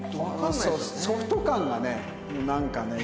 ソフト感がねなんかね。